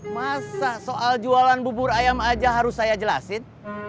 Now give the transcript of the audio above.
masa soal jualan bubur ayam aja harus saya jelasin